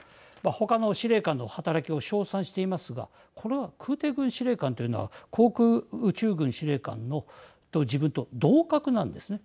他の司令官の働きを称賛していますがこの空てい軍司令官というのは航空宇宙軍司令官の自分と同格なんですね。